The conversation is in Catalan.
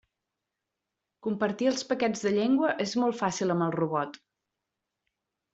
Compartir els paquets de llengua és molt fàcil amb el robot.